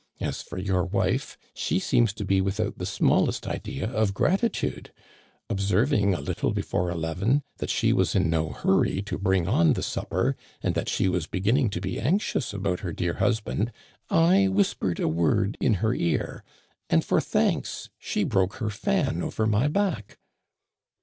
As for your wife, she seems to be without the smallest idea of gratitude. Observing, a little before eleven, that she was in no hurry to bring on the supper, and that she was beginning to be anxious about her dear husband, I whispered a word in her ear, and for thanks she broke her fan over my back."